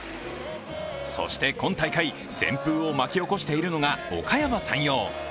そして、今大会、旋風を巻き起こしているのがおかやま山陽。